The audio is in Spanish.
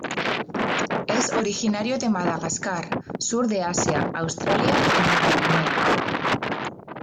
Es originario de Madagascar, sur de Asia, Australia y Nueva Guinea.